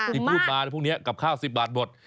ที่พูดมาพวกนี้กับข้าว๑๐บาทหมด